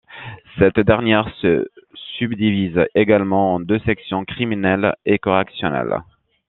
Cette dernière se subdivise également en deux sections criminelle et correctionnelle.